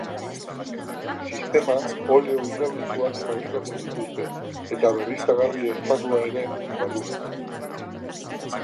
Sistema oleo-hidraulikoak fabrikatzen dituzte eta berriztagarri esparrua ere badu.